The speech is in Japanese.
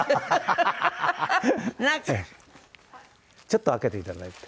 ちょっと開けていただいて。